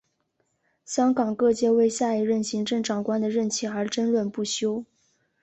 香港各界为下一任行政长官的任期而争论不休。